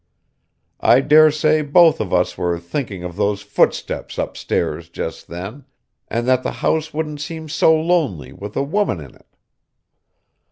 I dare say both of us were thinking of those footsteps upstairs, just then, and that the house wouldn't seem so lonely with a woman in it.